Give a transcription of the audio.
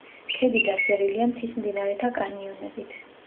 ქედი დასერილია მთის მდინარეთა კანიონებით.